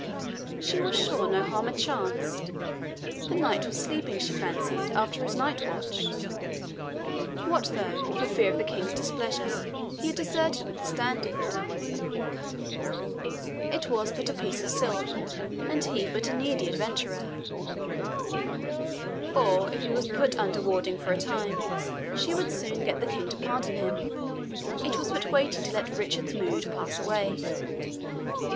She was sure no harm had chanced the knight was sleeping, she fancied, after his night watch. What though, for fear of the King's displeasure, he had deserted with the Standard it was but a piece of silk, and he but a needy adventurer; or if he was put under warding for a time, she would soon get the King to pardon him it was but waiting to let Richard's mood pass away.